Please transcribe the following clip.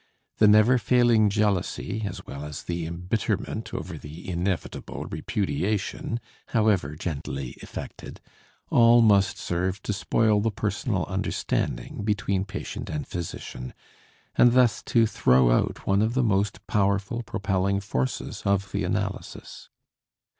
The never failing jealousy as well as the embitterment over the inevitable repudiation, however gently effected, all must serve to spoil the personal understanding between patient and physician and thus to throw out one of the most powerful propelling forces of the analysis.